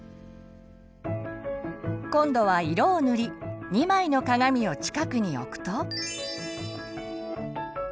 今度は色を塗り２枚の鏡を近くに置くと。